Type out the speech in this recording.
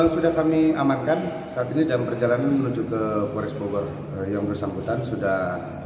sudah kami amatkan saat ini dalam perjalanan menuju ke forest pobor yang bersambutan sudah